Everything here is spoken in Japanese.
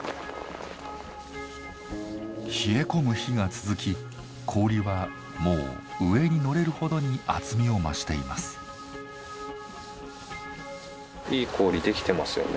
冷え込む日が続き氷はもう上に乗れるほどに厚みを増しています。